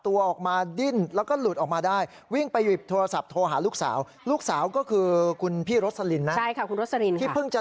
วิ่งเข้ามาอ้าวเล่